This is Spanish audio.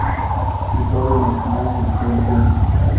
Su padre le enseñó a utilizar el piano.